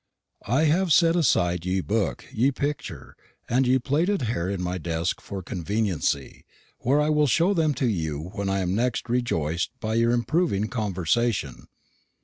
I have set aside ye book, ye picture, and ye plaited hair in my desk for conveniency, where I will show them to you when I am next rejoic'd by y'r improving conversation.